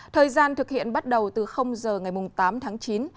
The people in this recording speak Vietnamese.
thời gian thực hiện bắt đầu từ h ngày tám chín